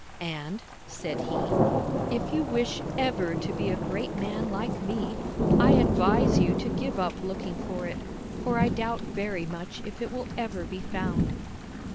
"And," said he, " if you wish ever to be a great man like me, I advise you to give up looking for it, for I doubt very much if it will ever be found."